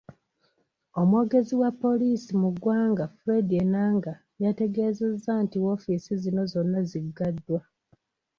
Omwogezi wa Poliisi mu ggwanga Fred Enanga, yategeezezza nti woofiisi zino zonna ziggaddwa.